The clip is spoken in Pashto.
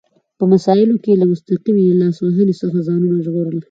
په مسایلو کې یې له مستقیمې لاس وهنې څخه ځانونه ژغورل.